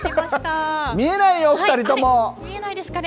見えないよ、２人とも。